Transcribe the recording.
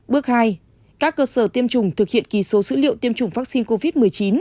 bước hai các cơ sở tiêm chủng thực hiện kỳ số dữ liệu tiêm chủng vaccine covid một mươi chín